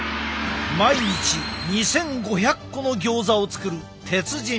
毎日２，５００個のギョーザを作る鉄人